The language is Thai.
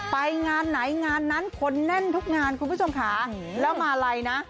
ไปงานไหนงานนั้นคนแน่นทุกงานคุณผู้ชมค่ะแล้วมาลัยนะ